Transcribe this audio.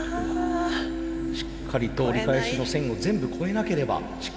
しっかりと折り返しの線を全部越えなければ失格になります。